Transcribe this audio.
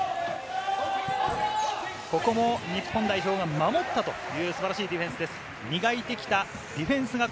ここも日本代表が守ったという素晴らしいディフェンスです。